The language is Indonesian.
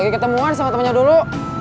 ketemuan sama temennya dulu